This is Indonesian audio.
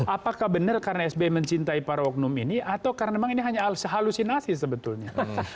apakah benar karena sby mencintai para oknum ini atau karena memang ini hanya halusinasi sebetulnya